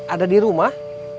ada di rumah